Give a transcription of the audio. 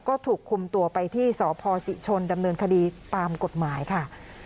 ก็ถูกคุมตัวไปที่สพศิชนดำเนินคดีตามกฎหมายค่ะ